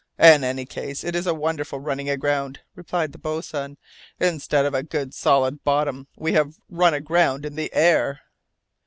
"In any case it is a wonderful running aground," replied the boatswain. "Instead of a good solid bottom, we have run aground in the air."